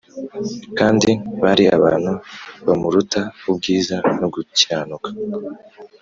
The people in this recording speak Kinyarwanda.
kandi bari abantu bamuruta ubwiza no gukiranuka